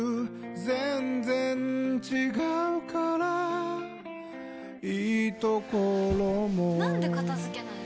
全然違うからいいところもなんで片付けないの？